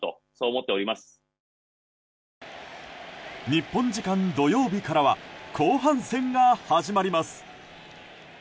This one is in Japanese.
日本時間土曜日からは後半戦が始まります。